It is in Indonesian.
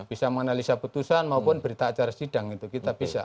bisa menganalisa putusan maupun berita acara sidang itu kita bisa